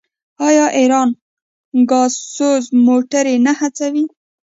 آیا ایران ګازسوز موټرې نه هڅوي؟